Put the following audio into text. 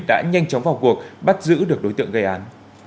đã nhanh chóng vào cuộc bắt giữ được đối tượng gây án